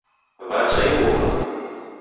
Wwacha ighuwa